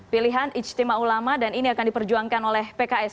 pilihan ijtima ulama dan ini akan diperjuangkan oleh pks